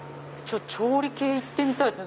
調理系行ってみたいですね。